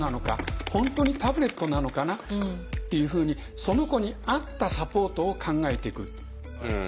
本当にタブレットなのかなっていうふうにその子に合ったサポートを考えていく。